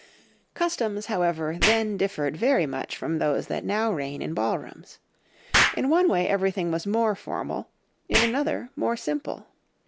Customs, however, then differed very much from those that now reign in ballrooms. In one way everything was more formal, in another more simple.